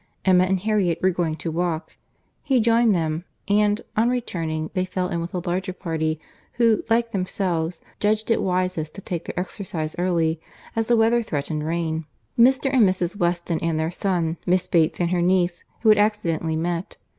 Emma and Harriet were going to walk; he joined them; and, on returning, they fell in with a larger party, who, like themselves, judged it wisest to take their exercise early, as the weather threatened rain; Mr. and Mrs. Weston and their son, Miss Bates and her niece, who had accidentally met.